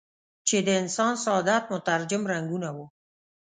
چې د انسان سعادت مترجم رنګونه وو.